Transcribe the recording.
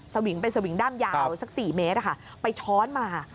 วิงเป็นสวิงด้ามยาวสัก๔เมตรไปช้อนมา